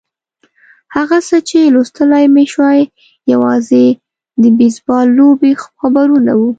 هغه څه چې لوستلای مې شوای یوازې د بېسبال لوبې خبرونه وو.